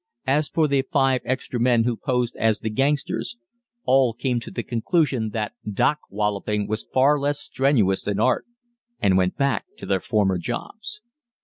As for the five extra men who posed as the gangsters, all came to the conclusion that dock walloping was far less strenuous than art, and went back to their former jobs.